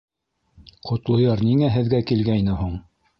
— Ҡотлояр ниңә һеҙгә килгәйне һуң?